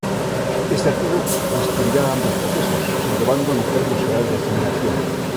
Este artigo describirá ambos procesos os englobando no termo xeral de asimilación.